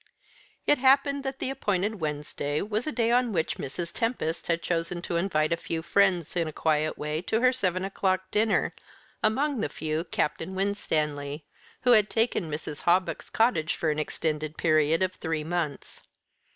It happened that the appointed Wednesday was a day on which Mrs. Tempest had chosen to invite a few friends in a quiet way to her seven o'clock dinner; among the few Captain Winstanley, who had taken Mrs. Hawbuck's cottage for an extended period of three months.